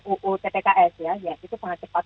uuttks ya itu sangat cepat